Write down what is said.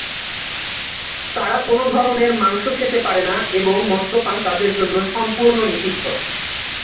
তারা কোন ধরনের মাংস খেতে পারেনা এবং মদ্যপান তাদের জন্য সম্পূর্ণ নিষিদ্ধ।